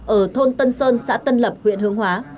ở thôn tân sơn xã tân lập huyện hương hóa